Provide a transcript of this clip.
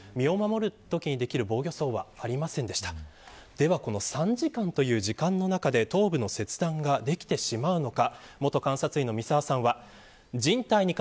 では、この３時間という時間の中で、頭部の切断ができてしまうのか。